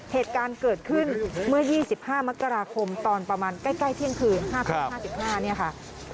เหตุการณ์เกิดขึ้นเมื่อ๒๕มกราคมตอนประมาณใกล้เที่ยงคืน๕ทุ่ม๕๕เนี่ยค่ะ